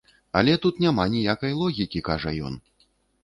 Але тут няма ніякай логікі, —кажа ён.